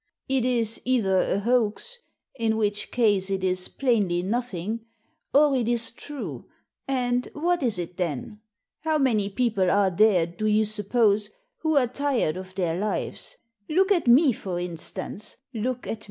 " It is either a hoax — in which case it is plainly nothing, or it is true — and what is it then? How many people are there, do you suppose, who are tired of tbeir lives — look at me, for instance, look at me